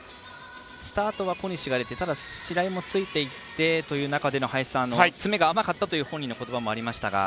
スタートは小西が出て、ただ白井もついていってという中での詰めが甘かったという本人の言葉もありましたが。